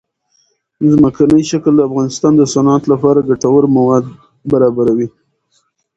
ځمکنی شکل د افغانستان د صنعت لپاره ګټور مواد برابروي.